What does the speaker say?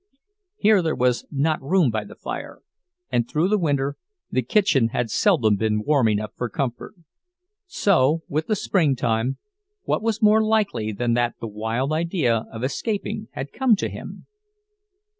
Here there was not room by the fire, and through the winter the kitchen had seldom been warm enough for comfort. So, with the springtime, what was more likely than that the wild idea of escaping had come to him?